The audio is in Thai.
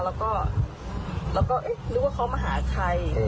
แล้วก็รู้ว่าเขามาหาใคร